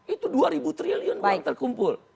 itu dua ribu triliun uang terkumpul